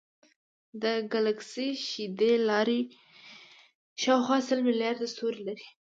د ګلکسي شیدې لار شاوخوا سل ملیارده ستوري لري.